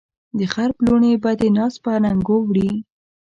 د غرب لوڼې به دې ناز په اننګو وړي